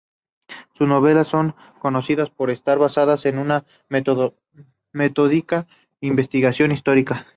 Sus novelas son conocidas por estar basadas en una metódica investigación histórica.